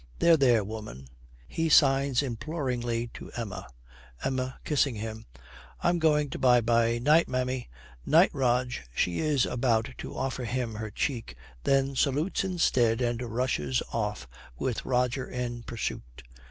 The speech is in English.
'There, there, woman.' He signs imploringly to Emma. EMMA, kissing him, 'I'm going to by by. 'Night, mammy. 'Night, Rog.' She is about to offer him her cheek, then salutes instead, and rushes off, with Roger in pursuit.